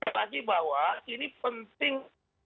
saya ingin mengatakan bahwa ini penting